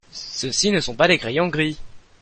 Ceux-ci ne sont pas des crayons gris.